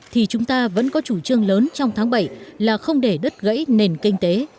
thì chúng ta vẫn có chủ trương lớn trong tháng bảy là không để đứt gãy nền kinh tế